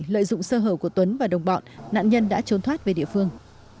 lợi dụng sơ hở của tuấn và đồng bọn nạn nhân đã trốn thoát về địa phương